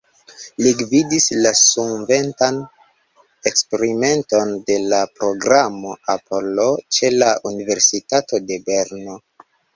Li gvidis la sunventan eksperimenton de la programo Apollo ĉe la Universitato de Berno.